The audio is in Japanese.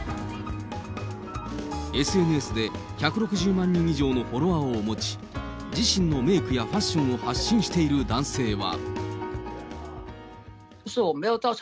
ＳＮＳで１６０万人以上のフォロワーを持ち、自身のメークやファッションを発信している男性は。